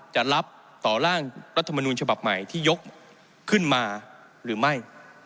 จะรับต่อร่างรัฐมนูญฉบับใหม่ที่ยกขึ้นมาหรือไม่